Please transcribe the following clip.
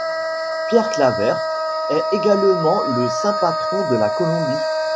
Pierre Claver est également le saint patron de la Colombie.